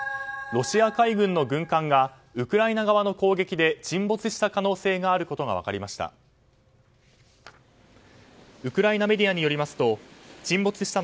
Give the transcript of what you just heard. ロシア海軍の軍艦がウクライナ側の攻撃で沈没した可能性があることが分かりました。